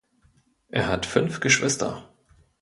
Er hat fünf Geschwister.